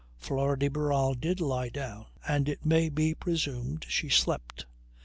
Flora de Barral did lie down, and it may be presumed she slept.